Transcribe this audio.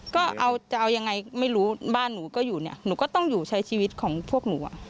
ก็เอาจะเอายังไงไม่รู้บ้านหนูก็อยู่เนี่ยหนูก็ต้องอยู่ใช้ชีวิตของพวกหนูอ่ะ